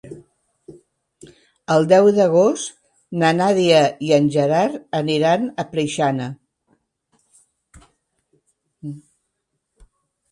El deu d'agost na Nàdia i en Gerard aniran a Preixana.